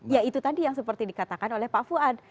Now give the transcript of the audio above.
ya itu tadi yang seperti dikatakan oleh pak fuad